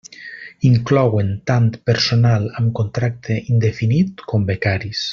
Inclouen tant personal amb contracte indefinit com becaris.